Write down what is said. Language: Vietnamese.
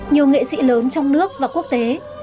nhiều nghệ sĩ lớn trong nước và quốc tế